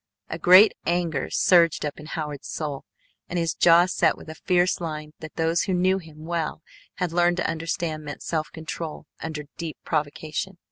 A great anger surged up in Howard's soul, and his jaw set with a fierce line that those who knew him well had learned to understand meant self control under deep provocation.